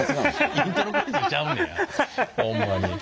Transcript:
イントロクイズちゃうねやホンマに。